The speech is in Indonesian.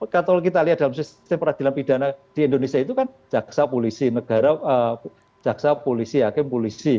kalau kita lihat dalam sistem peradilan pidana di indonesia itu kan jaksa polisi negara jaksa polisi hakim polisi